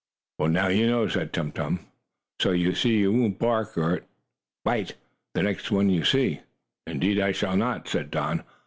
"Well, now you know," said Tum Tum, "so you won't bark at, or bite, the next one you see." "Indeed I shall not," said Don.